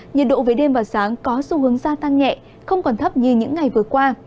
nhiệt độ về đêm và sáng có xu hướng gia tăng nhẹ không còn thấp như những ngày vừa qua